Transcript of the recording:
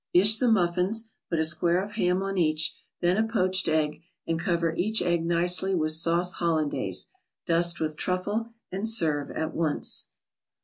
Dish the muffins, put a square of ham on each, then a poached egg and cover each egg nicely with sauce Hollandaise. Dust with truffle and serve at once.